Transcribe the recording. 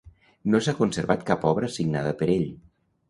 No s'ha conservat cap obra signada per ell.